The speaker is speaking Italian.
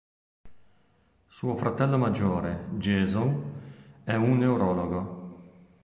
Suo fratello maggiore, Jason, è un neurologo.